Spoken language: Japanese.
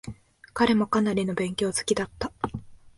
彼もかなりの勉強好きだった。